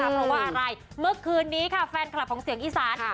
เพราะว่าอะไรเมื่อคืนนี้ค่ะแฟนคลับของเสียงอีสาน